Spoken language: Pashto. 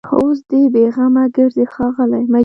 اوس دي بېغمه ګرځي ښاغلي